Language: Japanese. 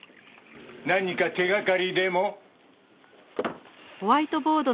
何か手掛かりでも？